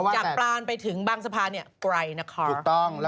จากปรานไปถึงบางสะพานเนี่ยไกลนะคะ